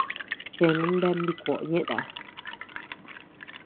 Cheanun bea ama dikuoʼo ñeeta.